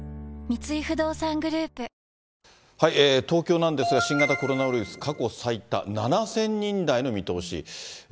東京なんですが、新型コロナウイルス、過去最多７０００人台の見通し。